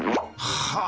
はあ！